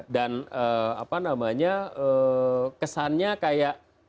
dan kesannya kayak